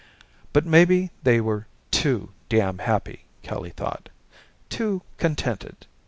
But maybe they were too damn happy, Kelly thought. Too contented.